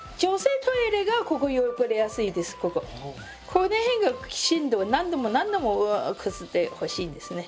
この辺がきちんと何度も何度もこすってほしいんですね。